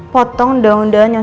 potong daun daunnya dari rumah dan